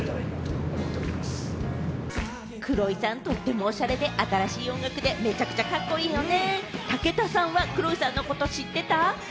Ｋｒｏｉさん、とてもオシャレで、新しい音楽でめちゃくちゃカッコいいよね。